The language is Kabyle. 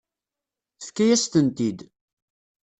Tefka-yas-tent-id.